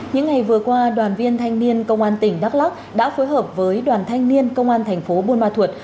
những ngày vừa qua đoàn viên thanh niên công an tỉnh đắk lắc đã phối hợp với đoàn thanh niên công an thành phố buôn ma thuột